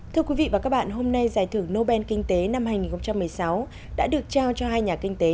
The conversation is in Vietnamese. thưa quý vị và các bạn hôm nay giải thưởng nobel kinh tế năm hai nghìn một mươi sáu đã được trao cho hai nhà kinh tế